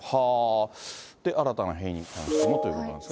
新たな変異に関してもということなんですが。